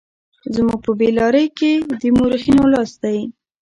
زموږ په بې لارۍ کې د مورخينو لاس دی.